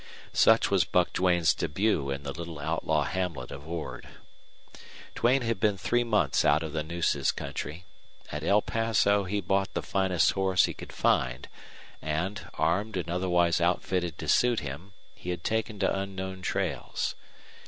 Such was Buck Duane's debut in the little outlaw hamlet of Ord. Duane had been three months out of the Nueces country. At El Paso he bought the finest horse he could find, and, armed and otherwise outfitted to suit him, he had taken to unknown trails.